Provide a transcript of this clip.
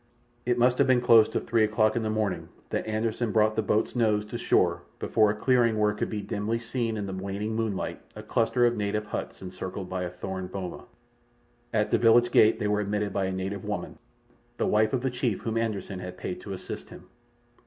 It must have been close to three o'clock in the morning that Anderssen brought the boat's nose to the shore before a clearing where could be dimly seen in the waning moonlight a cluster of native huts encircled by a thorn boma. At the village gate they were admitted by a native woman, the wife of the chief whom Anderssen had paid to assist him.